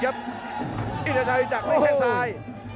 ไอธาชัยปล่อยนะครับดักด้วยแกงสาย